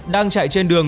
đang chạy trên đường